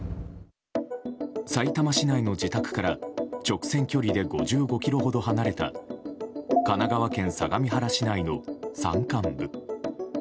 さいたま市内の自宅から直線距離で５５ｋｍほど離れた神奈川県相模原市内の山間部。